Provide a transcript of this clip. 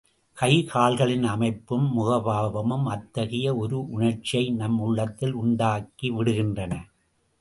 கைகால்களின் அமைப்பும் முகபாவமும் அத்தகைய ஒரு உணர்ச்சியை நம் உள்ளத்தில் உண்டாக்கிவிடுகின்றன.